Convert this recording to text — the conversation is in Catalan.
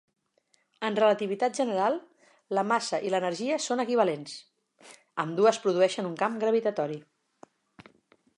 En relativitat general, la massa i l'energia són equivalents; ambdues produeixen un camp gravitatori.